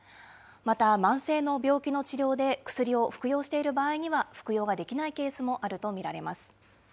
また、慢性の病気の治療で薬を服用している場合には、服用ができないケースもあると見られます。